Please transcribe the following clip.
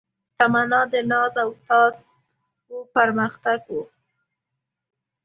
تمنا د ناز او تاز و پرمختګ و